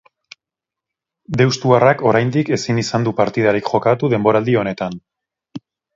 Deustuarrak oraindik ezin izan du partidarik jokatu denboraldi honetan.